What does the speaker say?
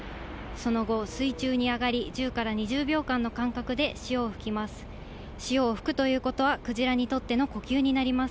その後、水中に上がり、１０から２０秒間の間隔で潮を吹きます。